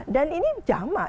dan ini jamak